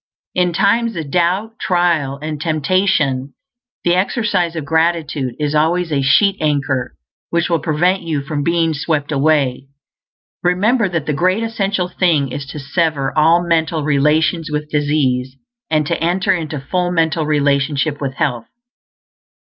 In times of doubt, trial, and temptation, the exercise of gratitude is always a sheet anchor which will prevent you from being swept away. Remember that the great essential thing is to SEVER ALL MENTAL RELATIONS WITH DISEASE, AND TO ENTER INTO FULL MENTAL RELATIONSHIP WITH HEALTH.